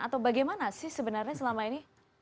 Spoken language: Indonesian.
atau bagaimana sih sebenarnya selama ini